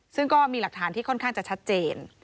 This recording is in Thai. ซึ่งก็มีหลักฐานที่ค่อนข้างจะชัดเจน